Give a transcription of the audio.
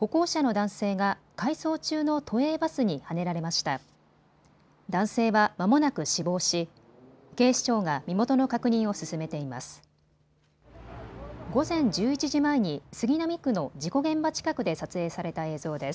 男性はまもなく死亡し、警視庁が身元の確認を進めています。